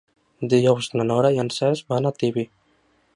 Dijous na Nora i en Cesc van a Tibi.